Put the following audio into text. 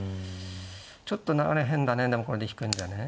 ちょっと流れ変だねでもこれで引くんじゃね。